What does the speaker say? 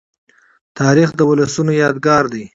تاریخ د ولسونو یادګار دی.